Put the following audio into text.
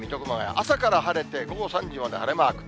朝から晴れて午後３時まで晴れマーク。